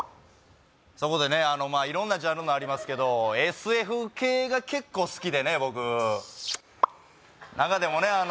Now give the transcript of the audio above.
そこでね色んなジャンルのありますけどＳＦ系が結構好きでね